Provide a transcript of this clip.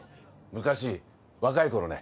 昔若い頃ね